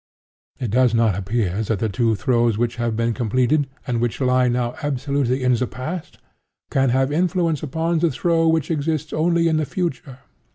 It does not appear that the two throws which have been completed, and which lie now absolutely in the Past, can have influence upon the throw which exists only in the Future.